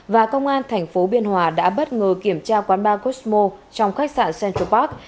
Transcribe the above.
và công an thành phố biên hòa đã bất ngờ kiểm tra quán bar cosmo trong khách sạn central park